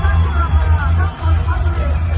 มันเป็นเมื่อไหร่แล้ว